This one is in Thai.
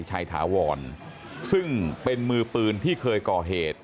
ถาวรซึ่งเป็นมือปืนที่เคยก่อเหตุ